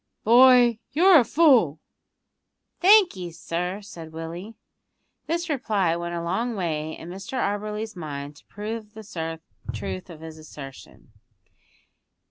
"Boy, you're a fool!" "Thank 'ee, sir," said Willie. This reply went a long way in Mr Auberly's mind to prove the truth of his assertion.